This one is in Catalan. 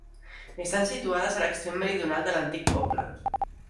Estan situades a l'extrem meridional de l'antic poble.